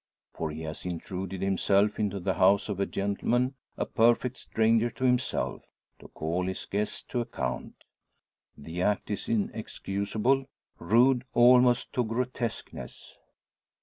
For he has intruded himself into the house of a gentleman a perfect stranger to himself to call his guest to account! The act is inexcusable, rude almost to grotesqueness!